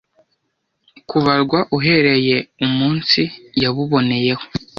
kubarwa uhereye umunsi yabuboneyeho